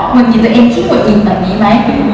หมุนกินตัวเองที่หมุนกินอย่างนี้ไหม